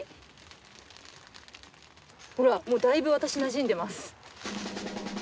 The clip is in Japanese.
もうだいぶ私なじんでます。